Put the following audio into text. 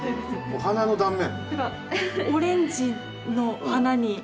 お花の断面？